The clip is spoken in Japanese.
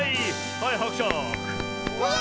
はいはくしゃく。